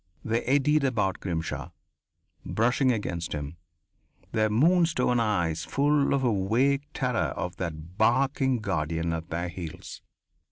They eddied about Grimshaw, brushing against him, their moon stone eyes full of a vague terror of that barking guardian at their heels.